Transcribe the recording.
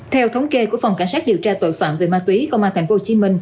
theo thống kê của phòng cảnh sát điều tra tội phạm về ma túy công an tp hcm